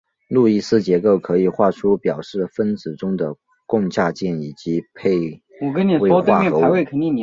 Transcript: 路易斯结构可以画出表示分子中的共价键以及配位化合物。